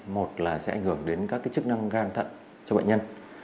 một là sẽ ảnh hưởng đến các chức năng gan thận cho bệnh nhân